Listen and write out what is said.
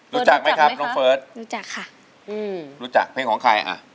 รู้จักไหมครับน้องเฟิร์สรู้จักค่ะอืมรู้จักเพลงของใครอ่ะ